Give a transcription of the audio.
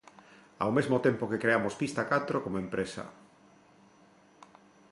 Ao mesmo tempo que creamos Pistacatro como empresa.